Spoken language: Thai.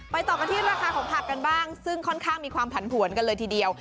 ต่อกันที่ราคาของผักกันบ้างซึ่งค่อนข้างมีความผันผวนกันเลยทีเดียว